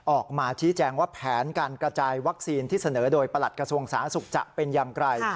ออกมาชี้แจงว่าแผนการกระจายวัคซีนที่เสนอโดยประหลัดกระทรวงสาธารณสุขจะเป็นอย่างไร